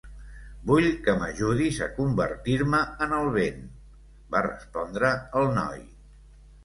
"Vull que m'ajudis a convertir-me en el vent", va respondre el noi.